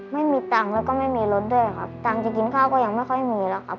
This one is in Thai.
ไม่มีตังค์แล้วก็ไม่มีรถด้วยครับตังค์จะกินข้าวก็ยังไม่ค่อยมีแล้วครับ